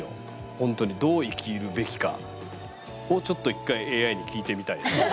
本当にどう生きるべきかをちょっと一回ＡＩに聞いてみたいですね。